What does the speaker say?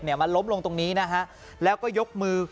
มันล้มลงตรงนี้นะฮะแล้วก็ยกมือ